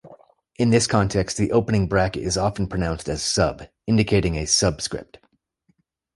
In this context, the opening bracket is often pronounced as "sub", indicating a "sub"script.